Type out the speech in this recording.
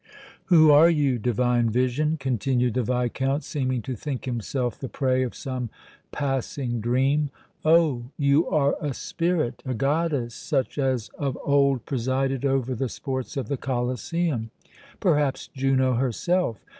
"Who are you, divine vision?" continued the Viscount, seeming to think himself the prey of some passing dream. "Oh! you are a spirit! a goddess such as of old presided over the sports of the Colosseum! perhaps Juno herself!